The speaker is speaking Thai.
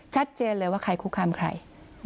ชัดเจนเลยว่าใครคุกคามใคร